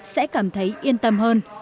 sẽ cảm thấy yên tâm hơn